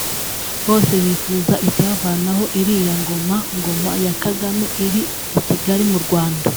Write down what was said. bose bifuza icyavanaho iriya ngoma ngome ya Kagame iri i Kigali mu Rwanda